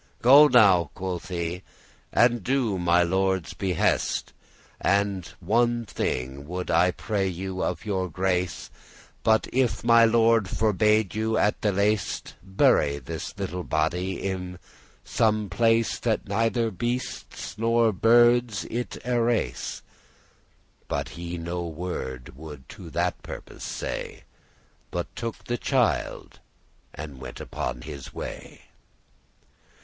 "Go now," quoth she, "and do my lord's behest. And one thing would I pray you of your grace, *But if* my lord forbade you at the least, *unless* Bury this little body in some place, That neither beasts nor birdes it arace."* *tear <10> But he no word would to that purpose say, But took the child and went upon his way.